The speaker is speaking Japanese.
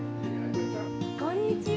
こんにちは。